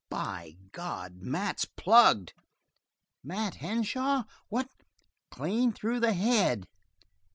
"By God, Mat's plugged." "Mat Henshaw? Wha ?" "Clean through the head."